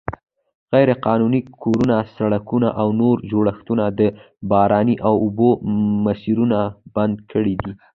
غیرقانوني کورونه، سړکونه او نور جوړښتونه د باراني اوبو مسیرونه بند کړي دي.